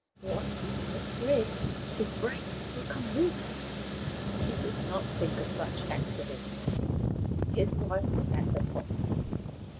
What if the thread should break or come loose ? He would not think of such accidents. His wife was at the top.